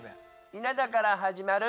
稲田から始まる。